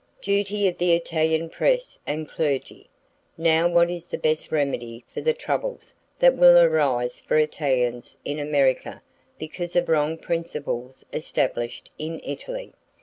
Duty of the Italian Press and Clergy.—Now what is the best remedy for the troubles that will arise for Italians in America because of wrong principles established in Italy?